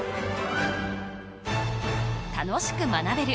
楽しく学べる！